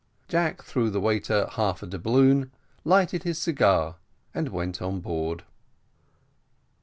Jack threw the waiter half a doubloon, lighted his cigar, and went on board.